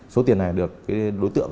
số tiền này được đối tượng